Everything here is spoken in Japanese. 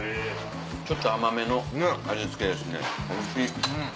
ちょっと甘めの味付けですねおいしい。